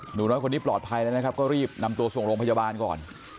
หนูน้อยคนนี้ปลอดภัยแล้วนะครับก็รีบนำตัวส่งโรงพยาบาลก่อน